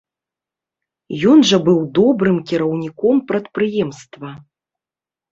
Ён жа быў добрым кіраўніком прадпрыемства.